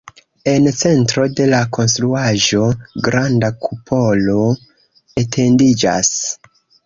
En centro de la konstruaĵo granda kupolo etendiĝas.